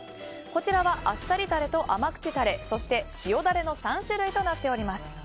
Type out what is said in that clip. こちらはあっさりタレと甘口タレそして塩ダレの３種類となっております。